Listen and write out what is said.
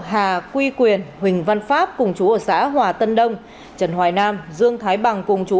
hà quy quyền huỳnh văn pháp cùng chú ở xã hòa tân đông trần hoài nam dương thái bằng cùng chú